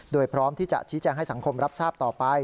โดยพร้อมที่จะชี้แจงให้สังคมรับทราบต่อไป